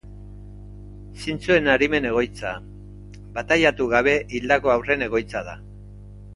Zintzoen arimen egoitza; bataiatu gabe hildako haurren egoitza da.